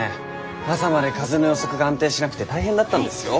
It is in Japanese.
朝まで風の予測が安定しなくて大変だったんですよ。